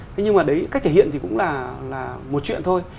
thế nhưng mà đấy cách thể hiện thì cũng là một chuyện thôi